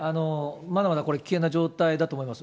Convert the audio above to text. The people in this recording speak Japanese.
まだまだこれ、危険な状態だと思います。